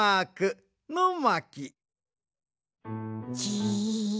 じ。